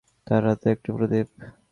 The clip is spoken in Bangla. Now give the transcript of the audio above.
তার হাতে একটি প্রদীপ।